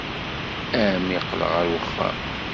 Armi qqleɣ ɣer uxxam.